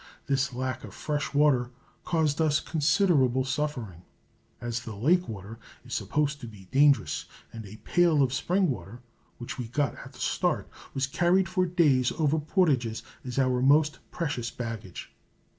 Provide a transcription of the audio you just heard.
This lack of fresh water caused us considerable suffering, as the lake water is supposed to be dangerous, and a pail of spring water, which we got at the start, was carried for days over portages as our most precious baggage.